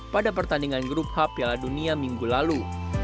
pada pertandingan grup h piala dunia minggu lalu